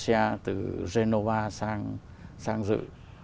từ indonesia từ genova sang dự